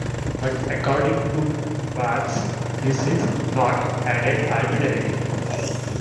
But according to Barthes, this is "not" added arbitrarily.